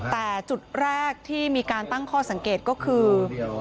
แต่จุดแรกที่มีการตั้งข้อสังเกตก็คือ